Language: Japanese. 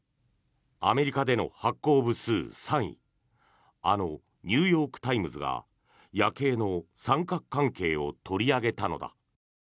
アメリカでの発行部数３位あのニューヨーク・タイムズがヤケイの三角関係を取り上げたのだ。